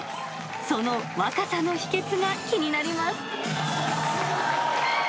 その若さの秘けつが気になります。